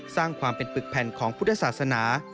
สร้างความเป็นปึกแผ่นของพุทธศาสนา